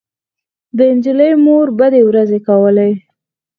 د نجلۍ مور بدې ورځې کولې